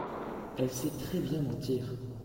elle sait très bien mentir.